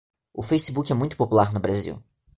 O Facebook é muito popular no Brasil